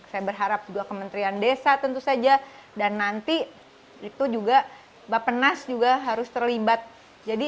saya berharap juga kementerian desa tentu saja dan nanti itu juga bapak nas juga harus terlibat jadi